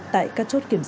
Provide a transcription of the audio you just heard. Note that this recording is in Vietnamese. tại các chốt kiểm dịch